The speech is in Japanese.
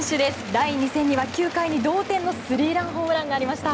第２戦には９回の同点のスリーランホームランがありました。